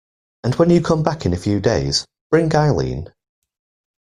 And when you come back in a few days, bring Eileen.